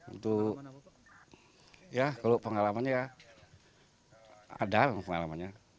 untuk pengalamannya ada pengalamannya